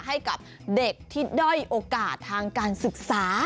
ให้กับเด็กที่ด้อยโอกาสทางการศึกษา